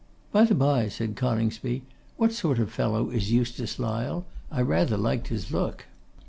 'By the bye,' said Coningsby, 'what sort of fellow is Eustace Lyle? I rather liked his look.